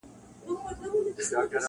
روح مي نیم بسمل نصیب ته ولیکم-